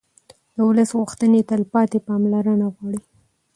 د ولس غوښتنې تلپاتې پاملرنه غواړي